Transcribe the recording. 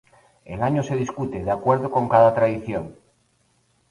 El año se discute, de acuerdo con cada tradición.